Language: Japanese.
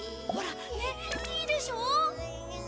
ほらっねっいいでしょ？